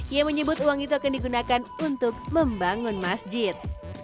ia menyebut uang itu akan digunakan untuk membangun masjid